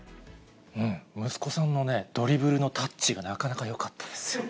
息子さんのドリブルのタッチがなかなかよかったですよ。